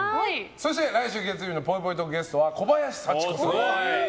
そして、来週月曜日のぽいぽいトークゲストは小林幸子さん。